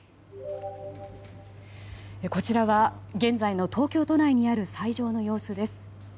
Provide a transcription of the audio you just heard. こちらは現在の東京都内にある斎場の様子です。